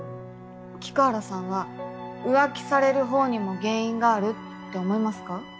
菊原さんは浮気される方にも原因があるって思いますか？